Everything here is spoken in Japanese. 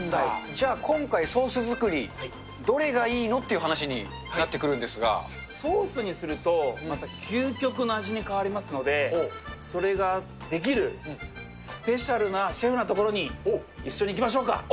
じゃあ今回、ソース作り、どれがいいのっていう話になってくるんソースにすると、また究極の味に変わりますので、それができるスペシャルなシェフの所に一緒に行きましょうか。